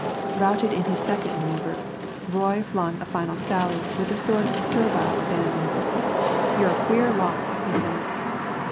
'" Routed in his second man[oe]uvre, Roy flung a final sally with a sort of servile abandon. "You're a queer lot," he said.